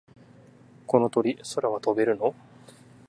この鳥、空は飛べるの？